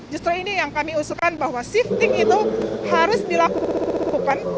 justru ini yang kami usulkan bahwa shifting itu harus dilakukan